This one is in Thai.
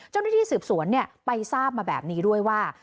เจ้าหน้าที่สืบสวนไปทราบมาแบบนี้ด้วยว่า